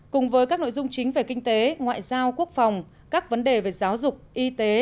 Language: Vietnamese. cùng với các nội dung chính về kinh tế ngoại giao quốc phòng các vấn đề về giáo dục y tế